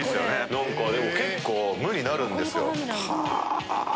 でも結構無になるんですよ。